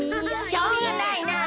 しょうがないなあ。